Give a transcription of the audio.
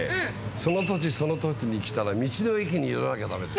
その土地その土地に来たら道の駅に寄らなきゃダメです。